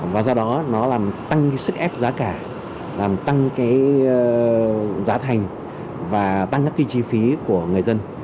và do đó nó làm tăng cái sức ép giá cả làm tăng cái giá thành và tăng các cái chi phí của người dân